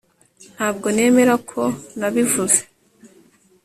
Ntabwo nemera ko nabivuze